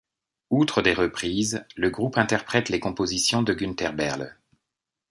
Outre des reprises, le groupe interprète les compositions de Günther Behrle.